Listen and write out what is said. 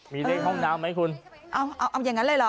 มีเลขห้องน้ำไหมคุณเอาเอาอย่างนั้นเลยเหรอ